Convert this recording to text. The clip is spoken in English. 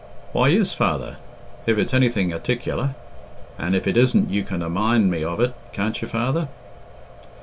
"Why, yes, father, if it's anything 'aticular, and if it isn't you can amind me of it, can't you, father?"